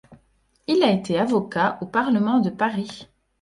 Il a été avocat au Parlement de Paris.